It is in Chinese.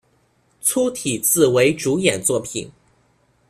粗体字为主演作品